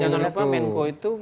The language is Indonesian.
jangan lupa menko itu